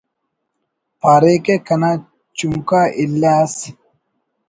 پاریکہ کنا چنکا الّہ ئس